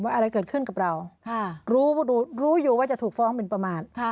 อะไรเกิดขึ้นกับเรารู้อยู่ว่าจะถูกฟ้องหมินประมาท